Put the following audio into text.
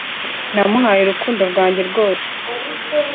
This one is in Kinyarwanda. namuhaye urukundo rwanjye rwose.